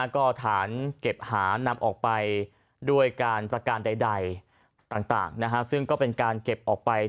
ก็ฐานเก็บหานำออกไปด้วยการประการใดต่างซึ่งก็เป็นการเก็บออกไป